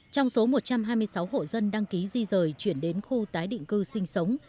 trong số một trăm hai mươi sáu hộ dân đăng ký di rời chuyển đến khu tái định cư sinh sống